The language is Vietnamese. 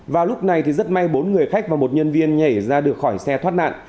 vào lúc này thì rất may bốn người khách và một nhân viên nhảy ra được khỏi xe thoát nạn